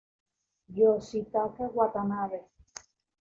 Yoshitaka Watanabe